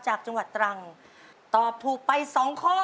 จากจังหวัดตรังตอบถูกไปสองข้อ